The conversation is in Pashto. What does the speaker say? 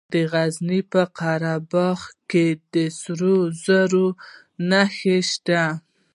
د غزني په قره باغ کې د سرو زرو نښې شته.